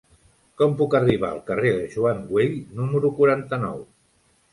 Com puc arribar al carrer de Joan Güell número quaranta-nou?